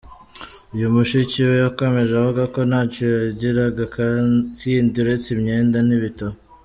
Uyu mushiki we yakomeje avuga ko ntacyo yagiraga kindi uretse imyenda n’ibitabo.